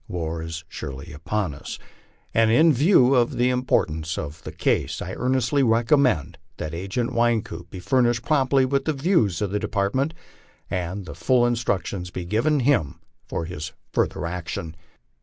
War ia surely upon us, and in view of the importance of the case, I earnestly recommend that Agent Wynkoop be furnished promptly with the views of the Department, and that full instructions be given him for his future action.